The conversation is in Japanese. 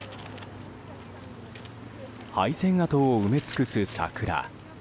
廃線跡を埋め尽くす桜。